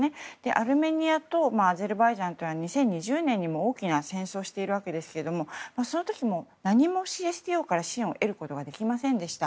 アルメニアとアゼルバイジャンは２０２０年にも大きな戦争をしているわけですがその時も、何もＣＳＴＯから支援を得ることができませんでした。